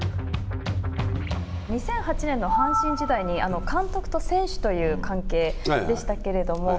２００８年の阪神時代に監督と選手という関係でしたけれども。